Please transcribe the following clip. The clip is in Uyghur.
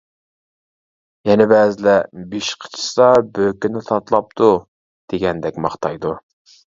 يەنە بەزىلەر «بېشى قىچىشسا بۆكىنى تاتىلاپتۇ» دېگەندەك ماختايدۇ.